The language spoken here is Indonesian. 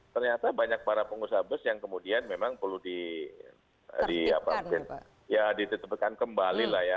ternyata banyak para pengusaha bus yang kemudian memang perlu ditetapkan kembali lah ya